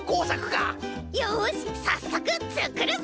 よしさっそくつくるぞ！